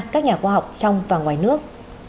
các nhà khoa học trong và ngoài nước